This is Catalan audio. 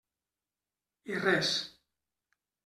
I res.